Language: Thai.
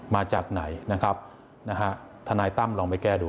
มาจากไหนนะครับนะฮะทนายตั้มลองไปแก้ดู